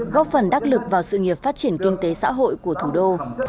góp phần đắc lực vào sự nghiệp phát triển kinh tế xã hội của thủ đô